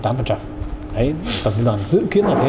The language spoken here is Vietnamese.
đấy tổng liên đoàn dự kiến là thế